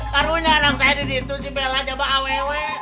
karunya anak saya di dintu si bela jabak awewe